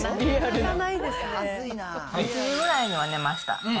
１時ぐらいには寝ました。